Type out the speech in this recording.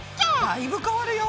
だいぶ変わるよ。